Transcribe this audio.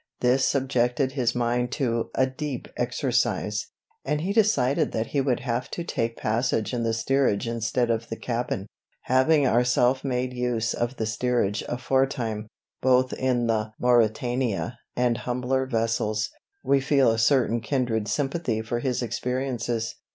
This subjected his mind to "a deep exercise," and he decided that he would have to take passage in the steerage instead of the cabin. Having our self made use of the steerage aforetime, both in the Mauretania and humbler vessels, we feel a certain kindred sympathy for his experiences.